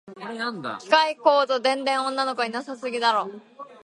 機械工と電電女の子いなさすぎだろ